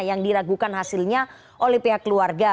yang diragukan hasilnya oleh pihak keluarga